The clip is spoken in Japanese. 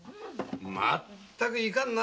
まったくいかんな